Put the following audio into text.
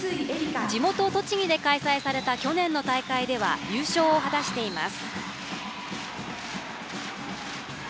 地元・栃木で開催された去年の大会では優勝を果たしています。